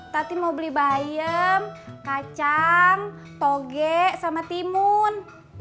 tati mau beli bayem kacang toge sama timun